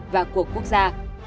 và của quốc gia